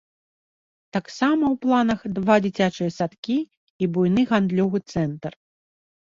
Таксама ў планах два дзіцячыя садкі і буйны гандлёвы цэнтр.